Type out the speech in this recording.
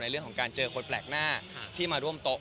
เรื่องของการเจอคนแปลกหน้าที่มาร่วมโต๊ะ